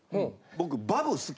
僕。